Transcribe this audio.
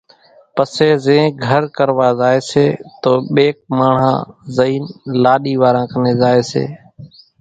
پسي زين ۮِي گھر ڪروا زائيَ سي تو ٻيڪ ماڻۿان زئينَ لاڏِي واران ڪنين زائيَ سي۔